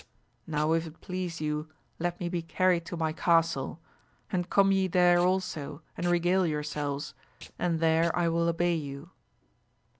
Now if it please you let me be carried to my castle,'and come ye there also and regale yourselves, and there I will obey you.